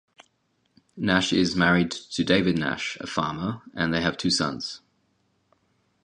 Nash is married to David Nash, a farmer, and they have two sons.